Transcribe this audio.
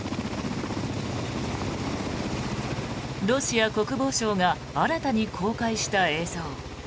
ロシア国防省が新たに公開した映像。